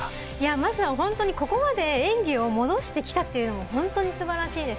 まずはここまで演技を戻してきたっていうのも本当にすばらしいです。